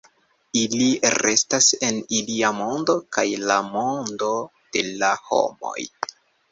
Ili restas en ilia mondo, kaj la mondo de la homoj.